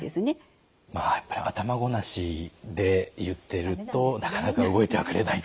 やっぱり頭ごなしで言ってるとなかなか動いてはくれない。